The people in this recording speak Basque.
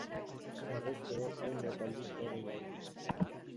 Harrezkero, hainbat aldiz etorri naiz.